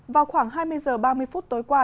vào khoảng hai mươi h ba mươi phút tối qua